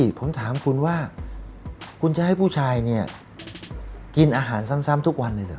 ผมถามคุณว่าคุณจะให้ผู้ชายเนี่ยกินอาหารซ้ำทุกวันเลยเหรอ